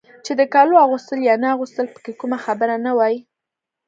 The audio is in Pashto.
چې د کالو اغوستل یا نه اغوستل پکې کومه خبره نه وای.